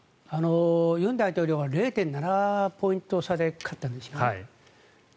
尹大統領が０．７ポイント差で勝ったんです。